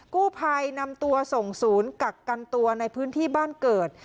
กู้ภัยนำตัวส่งศูนย์กักกันตัวในพื้นที่บ้านเกิด